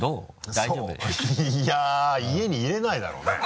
大丈夫？いや家に入れないだろうね。